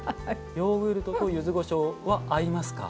ヨーグルトとゆずごしょうは合いますか？